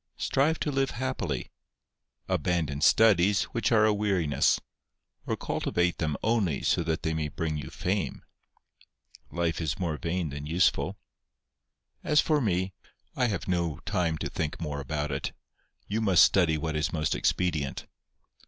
Strive to live happily : abandon studies, which are a weariness ; or cultivate them only so that they may bring you fame. Life is more vain than useful. As for me, I have no time to think more about it; you must study what is most expedient."